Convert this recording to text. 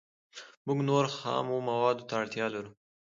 موږ نورو خامو موادو ته اړتیا لرو